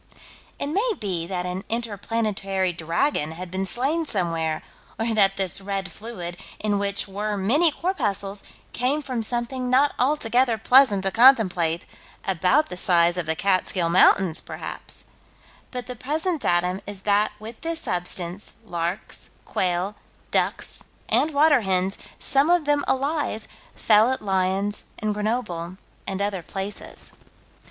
It may be that an inter planetary dragon had been slain somewhere, or that this red fluid, in which were many corpuscles, came from something not altogether pleasant to contemplate, about the size of the Catskill Mountains, perhaps but the present datum is that with this substance, larks, quail, ducks, and water hens, some of them alive, fell at Lyons and Grenoble and other places.